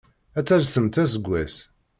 Ad talsemt aseggas!